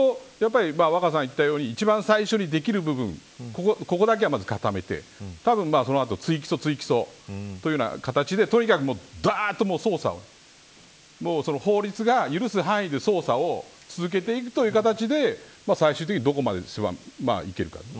２日間で若狭さんが言ったように一番できる部分ここだけは固めて、たぶんその後追起訴という形でとにかく捜査を法律が許す範囲で捜査を続けていくという形で最終的にどこまでいけるか。